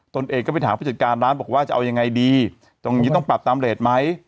เองก็ไปถามผู้จัดการร้านบอกว่าจะเอายังไงดีตรงนี้ต้องปรับตามเลสไหม